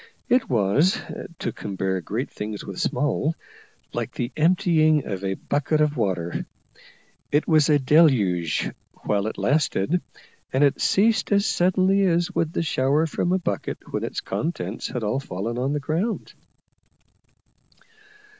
It was, to compare great things with small, like the emptying of a bucket of water. It was a deluge whilst it lasted, and it ceased as suddenly as would the shower from a bucket when its contents had all fallen to the ground.